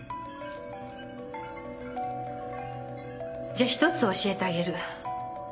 じゃあひとつ教えてあげる。